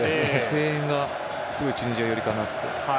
声援がチュニジア寄りかなと。